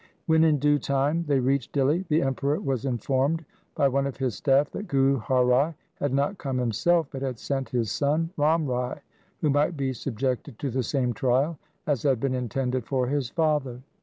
When in due time they reached Dihli, the Emperor was informed by one of his staff that Guru Har Rai had not come himself, but had sent his son Ram Rai who might be subjected to the same trial as had been intended for his father.